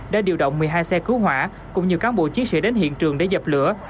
đã điều động một mươi hai xe cứu hỏa cùng nhiều cán bộ chiến sĩ đến hiện trường để dập lửa